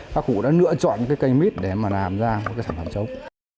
các cụ đã lựa chọn cái cây mít để mà làm ra cái sản phẩm trống